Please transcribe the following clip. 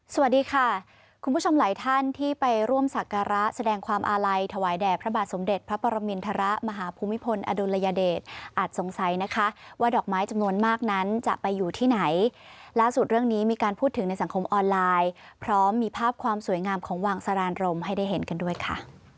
สวัสดีค่ะคุณผู้ชมหลายท่านที่ไปร่วมสักการะแสดงความอาลัยถวายแด่พระบาทสมเด็จพระปรมินทรมาหาภูมิพลอดุลยเดชอาจสงสัยนะคะว่าดอกไม้จำนวนมากนั้นจะไปอยู่ที่ไหนล่าสุดเรื่องนี้มีการพูดถึงในสังคมออนไลน์พร้อมมีภาพความสวยงามของวางสารานรมให้ได้เห็นกันด้วยค่ะ